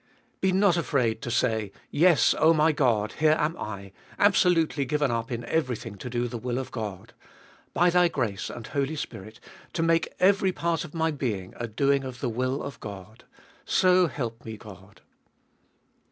2. Be not afraid to say — Yes, 0 my God, here am I, absolutely given up in everything to do the will of God ; by Thy grace and Holy Spirit, to make every part of my being a doing of the will of God ! So help me, God